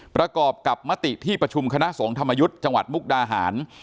ประกอบกับมติที่ประชุมคณะสงฆ์ธรรมยุทธ์จังหวัดมุกดาหาร